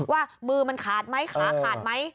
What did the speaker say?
ว่ามือมันขาดไหมขาขาดไหม